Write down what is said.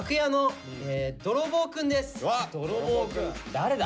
誰だ？